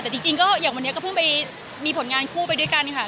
แต่จริงก็อย่างวันนี้ก็เพิ่งไปมีผลงานคู่ไปด้วยกันค่ะ